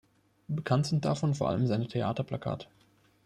Bekannt sind davon vor allem seine Theater-Plakate.